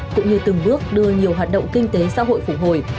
cũng như từng bước đưa nhiều hoạt động kinh tế xã hội phục hồi